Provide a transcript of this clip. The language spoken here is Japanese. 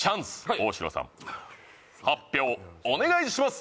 大城さん発表お願いします